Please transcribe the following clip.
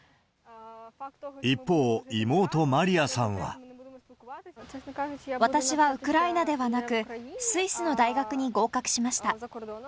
一方、妹、私はウクライナではなく、スイスの大学に合格しました。